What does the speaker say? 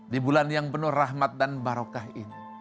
di bulan yang penuh rahmat dan barokah ini